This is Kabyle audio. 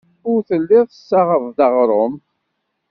Ur telliḍ tessaɣeḍ-d aɣrum.